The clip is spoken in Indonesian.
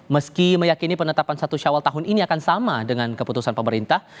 meski meyakini penetapan satu syawal tahun ini akan sama dengan keputusan pemerintah